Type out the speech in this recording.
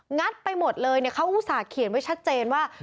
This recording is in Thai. ัดไปหมดเลยเขาอุตส่าหเขียนไว้ชัดเจนว่า